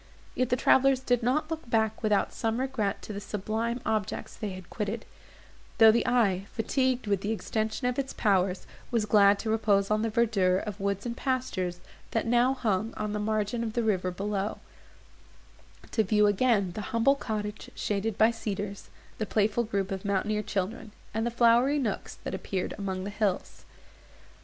Yet the travellers did not look back without some regret to the sublime objects they had quitted; though the eye, fatigued with the extension of its powers, was glad to repose on the verdure of woods and pastures, that now hung on the margin of the river below; to view again the humble cottage shaded by cedars, the playful group of mountaineer children, and the flowery nooks that appeared among the hills.